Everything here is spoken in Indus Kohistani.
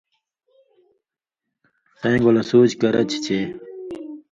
څَیں گولہ سُوچ کرہ چھی چے